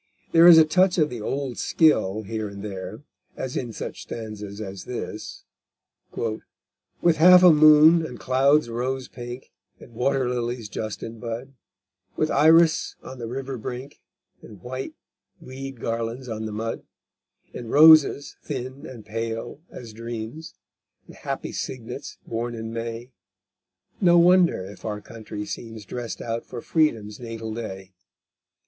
There is a touch of the old skill here and there, as in such stanzas as this: _With half a moon, and clouds rose pink, And water lilies just in bud, With iris on the river brink, And white weed garlands on the mud, And roses thin and pale as dreams, And happy cygnets born in May, No wonder if our country seems Drest out for Freedom's natal day_.